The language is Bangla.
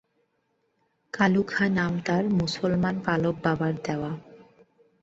কালু খাঁ নাম তাঁর মুসলমান পালক বাবার দেওয়া।